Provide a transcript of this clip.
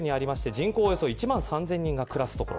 人口およそ１万３０００人が暮らす所。